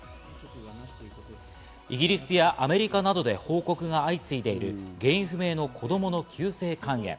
イギリスやアメリカなどで報告が相次いでいる原因不明の子供の急性肝炎。